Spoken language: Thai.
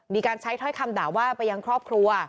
มีการใช้ถ้อยคำด่าว่าไปยังครอบครัว